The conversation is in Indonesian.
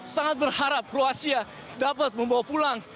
sangat berharap kroasia dapat membawa pulang